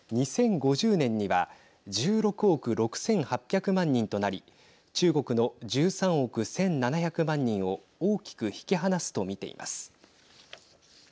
２０５０年には１６億６８００万人となり中国の１３億１７００万人を大きく引き離すと見ています。